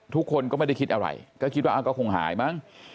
ทุกคนก็ไม่ได้คิดอะไรก็คิดว่าก็คงหายมั้ง